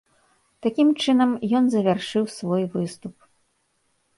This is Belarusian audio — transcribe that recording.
Такім чынам, ён завяршыў свой выступ.